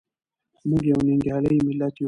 موږ یو ننګیالی ملت یو.